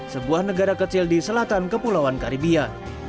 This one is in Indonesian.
sebuah negara kecil di selatan kepulauan karibia